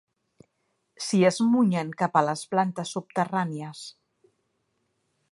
S'hi esmunyen cap a les plantes subterrànies.